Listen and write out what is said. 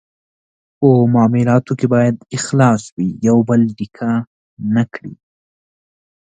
په معالاتو کې باید اخلاص وي، یو بل ډیکه نه کړي.